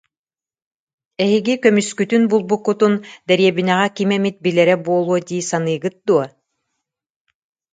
Эһиги көмүскүтүн булбуккутун дэриэбинэҕэ ким эмит билэрэ буолуо дии саныыгыт дуо